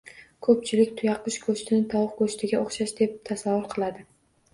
Ko‘pchilik tuyaqush go‘shtini tovuq go‘shtiga o‘xshash deb tasavvur qiladi.